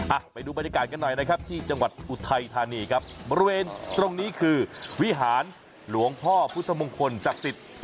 อ่ะไปดูบรรยากาศกันหน่อยนะครับที่จังหวัดอุทัยธานีครับ